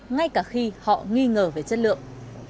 ngay cả khi họ nghi ngờ về chất lượng